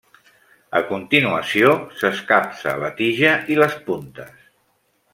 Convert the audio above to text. A continuació, s'escapça la tija i les puntes.